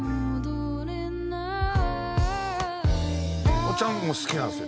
おっちゃんも好きなんですよ